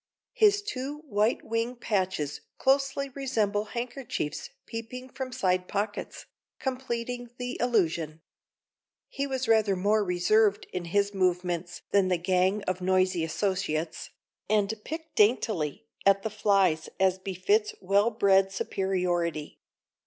His two white wing patches closely resemble handkerchiefs peeping from side pockets, completing the illusion. He was rather more reserved in his movements than the gang of noisy associates, and picked daintily at the flies as befits well bred superiority.